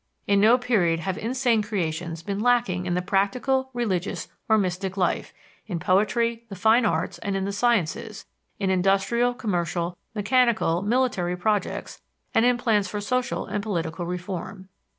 In no period have insane creations been lacking in the practical, religious, or mystic life, in poetry, the fine arts, and in the sciences; in industrial, commercial, mechanical, military projects, and in plans for social and political reform.